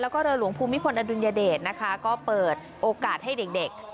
แล้วก็เรือหลวงภูมิพลอดุลยเดชนะคะก็เปิดโอกาสให้เด็ก